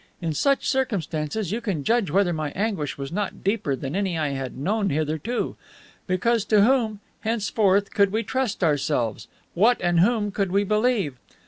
In such circumstances you can judge whether my anguish was not deeper than any I had known hitherto. Because to whom, henceforth, could we trust ourselves? what and whom could we believe?